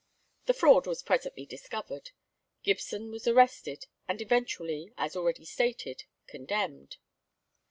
The fraud was presently discovered; Gibson was arrested, and eventually, as already stated, condemned.